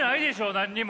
何にも。